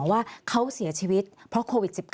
ว่าเขาเสียชีวิตเพราะโควิด๑๙